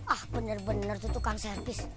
ah bener bener tutupan servis